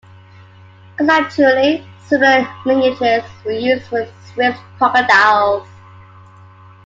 Conceptually similar linkages were used for the Swiss "crocodiles".